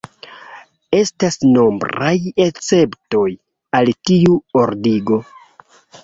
Estas nombraj esceptoj al tiu ordigo.